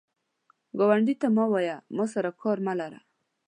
ګاونډي ته مه وایه “ما سره کار مه لره”